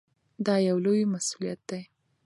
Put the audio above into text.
دا یو لوی مسؤلیت دی.